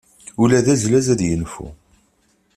Ula d azlaz ad yenfu.